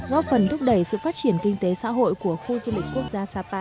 góp phần thúc đẩy sự phát triển kinh tế xã hội của khu du lịch quốc gia sapa